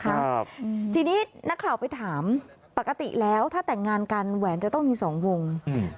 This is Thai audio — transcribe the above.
ครับทีนี้นักข่าวไปถามปกติแล้วถ้าแต่งงานกันแหวนจะต้องมีสองวงอืม